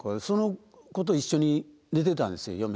その子と一緒に寝てたんですよ